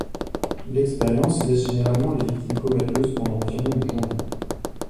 L'expérience laisse généralement les victimes comateuses pendant environ une journée.